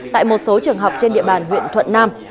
tại một số trường học trên địa bàn huyện thuận nam